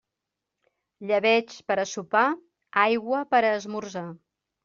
Llebeig per a sopar, aigua per a esmorzar.